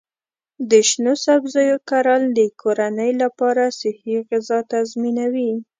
د شنو سبزیو کرل د کورنۍ لپاره صحي غذا تضمینوي.